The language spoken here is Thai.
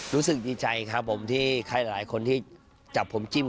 รู้สึกดีใจครับผมที่ใครหลายคนที่จับผมจิ้ม